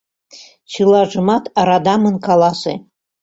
Чылажымат радамын каласе.